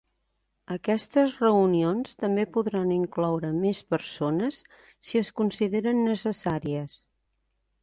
Aquestes reunions també podran incloure més persones si es consideren necessàries.